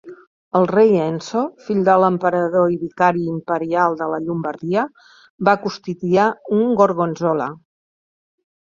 El rei Enzo, fill de l'emperador i vicari imperial de la Llombardia va custodiar un Gorgonzola.